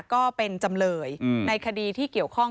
ก็เป็นจำเลยในคดีที่เกี่ยวข้อง